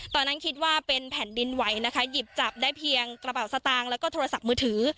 ตอนนั้นคิดว่าเป็นแผ่นดินไหวนะคะหยิบจับได้เพียงกระเป๋าสตางค์แล้วก็โทรศัพท์มือถือ